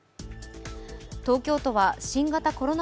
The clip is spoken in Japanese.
東京都は新型コロナ